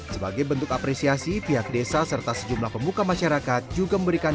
sebagai bentuk apresiasi pihak desa serta sejumlah pemuka masyarakat juga memberikan